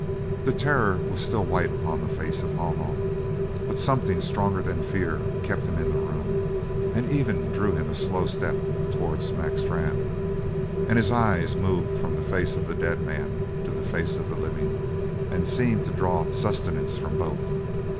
The terror was still white upon the face of Haw Haw, but something stronger than fear kept him in the room and even drew him a slow step towards Mac Strann; and his eyes moved from the face of the dead man to the face of the living and seemed to draw sustenance from both.